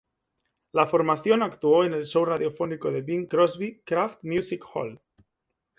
La formación actuó en el show radiofónico de Bing Crosby "Kraft Music Hall".